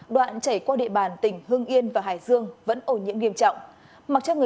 đoạn chảy qua địa bàn tỉnh hương yên và hải dương vẫn ổ nhiễm nghiêm trọng